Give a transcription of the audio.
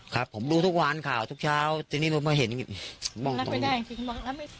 ครับผมรู้ทุกวันข่าวทุกเช้าทีนี้มันมาเห็นมองตรงนี้